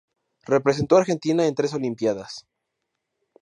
Representó a Argentina en tres Olimpiadas.